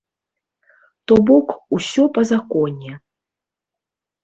То бок, усё па законе.